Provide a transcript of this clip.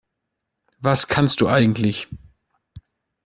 Was kannst du eigentlich?